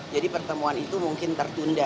jadi pertemuan itu mungkin tertunda